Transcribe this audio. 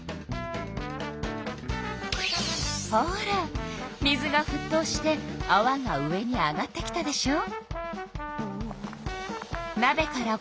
ほら水がふっとうしてあわが上に上がってきたでしょう？